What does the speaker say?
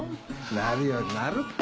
なるようになるって！